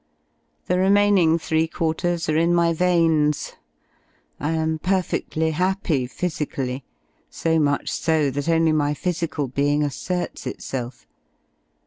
The remaining three quarters are in my veins. I am perfe<ft:ly happy physically: so much so that only my physical being asserts itself.